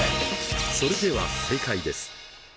それでは正解です。